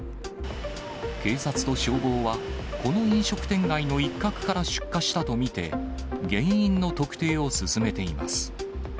警察と消防は、この飲食店街の一角から出火したと見て、原因の特定を進めています。